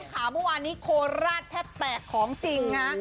ข่าวเมื่อวานนี้โคราชแทบแตกของจริงนะ